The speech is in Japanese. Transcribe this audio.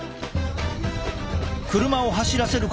車を走らせること数時間。